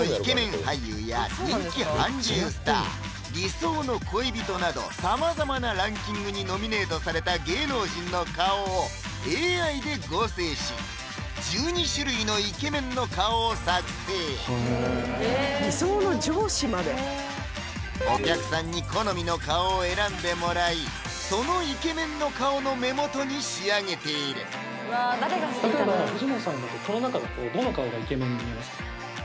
俳優や人気韓流スター・理想の恋人などさまざまなランキングにノミネートされた芸能人の顔をＡＩで合成し１２種類のイケメンの顔を作成理想の上司までお客さんに好みの顔を選んでもらいそのイケメンの顔の目元に仕上げている例えば藤本さんだとこの中だとどの顔がイケメンに見えますか？